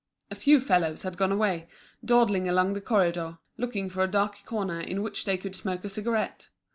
A few fellows had gone away, dawdling along the corridor, looking for a dark corner in which they could smoke a cigarette.